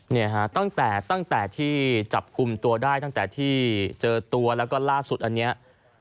เนี่ยก็ตั้งแต่ที่จับคุมตัวได้ตั้งแต่ที่เจอตัวแล้วก็ล่า